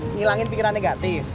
ngilangin pikiran negatif